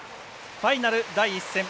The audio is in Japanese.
ファイナル第１戦。